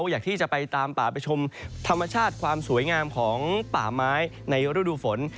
อยากที่จะไปตามป่าไปชมธรรมชาติความสวยงามของป่าไม้ในฤดูฝน